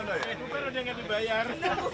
bukan udah gak dibayar